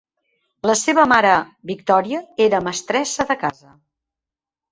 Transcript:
La seva mare, Victoria, era mestressa de casa.